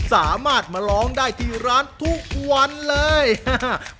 สามารถมาร้องได้ที่ร้านทุกวันเลยอ่า